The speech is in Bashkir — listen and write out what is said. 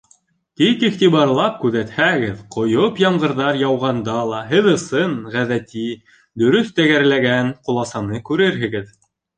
Тик иғтибарлап күҙәтһәгеҙ, ҡойоп ямғырҙар яуғанда ла һеҙ ысын, ғәҙәти, дөрөҫ тәгәрләгән ҡуласаны күрерһегеҙ.